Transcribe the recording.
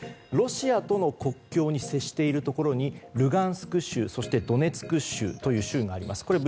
ロシアとの国境に接しているところにルガンスク州、そしてドネツク州という州があります